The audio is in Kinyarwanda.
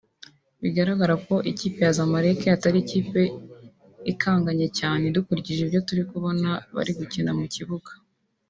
Bigaragara ko ikipe ya Zamalek atari ikipe ikanaganye cyane dukurikije ibyo twbona bari gukina mu kibuga